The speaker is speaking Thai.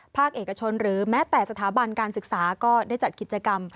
ภาคเอกชนหรือแม้แต่สถาบันการศึกษาก็ได้จัดกิจกรรม